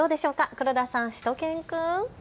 黒田さん、しゅと犬くん。